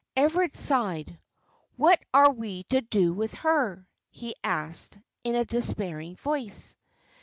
'" Everard sighed. "What are we to do with her?" he asked, in a despairing voice.